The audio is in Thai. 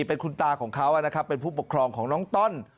เป็นคุณตาของเขานะครับเป็นผู้ปกครองของน้องต้อน